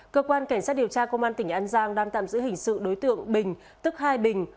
cơ quan cảnh sát điều tra công an tỉnh an giang đang tạm giữ hình sự đối tượng bình tức hai bình